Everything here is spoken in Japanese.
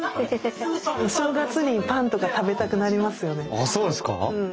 あそうですか？